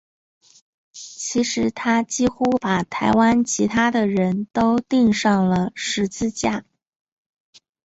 其实他几乎把台湾其他的人都钉上了十字架。